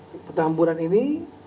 di petamburan ini